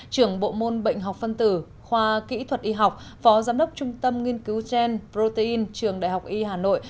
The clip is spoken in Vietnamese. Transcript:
trưởng bộ môn bệnh học phân tử khoa kỹ thuật y học phó giám đốc trung tâm nghiên cứu gen protein trường đại học y hà nội